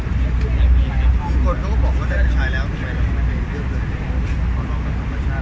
ทุกคนเขาก็บอกว่าเดินใช้แล้วทำไมเราก็ไม่มีเรื่องเกิน